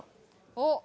おっ。